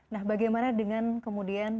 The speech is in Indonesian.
nah bagaimana dengan